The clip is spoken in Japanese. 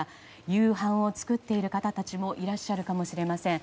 夕飯を作っている方たちもいらっしゃるかもしれません。